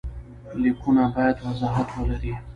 لیکونه باید وضاحت ولري.